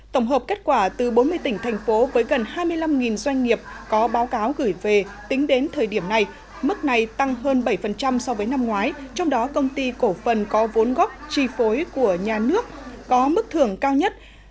tổng hợp kết quả từ bốn mươi tỉnh thành phố với gần hai mươi năm doanh nghiệp có báo cáo gửi về tính đến thời điểm này mức này tăng hơn bảy so với năm ngoái trong đó công ty cổ phần có vốn góp tri phối của nhà nước có mức thưởng cao nhất